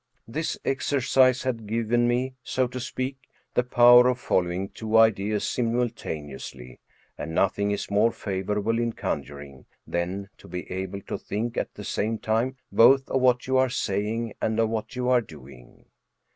This exercise had given me, so to speak, the power of following two ideas simultaneously, and nothing is more favorable in conjuring than to be able to think at the same time both of what you are saying and of what you are doing.